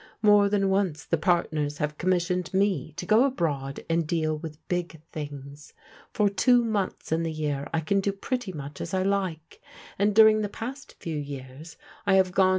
More than once the partners have commissioned me to go abroad and deal with big things. For two months in the year I can do pretty much as I like, and during the past few yeats 1 Vi aN^ ^cyaa.